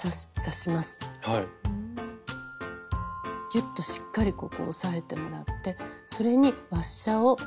ギュッとしっかりここを押さえてもらってそれにワッシャーを入れます。